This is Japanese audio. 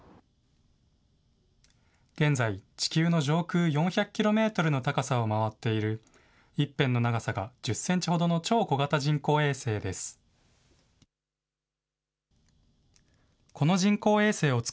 現在、地球の上空４００キロメートルの高さを回っている、１辺の長さが１０センチほどの超小型人工衛星です。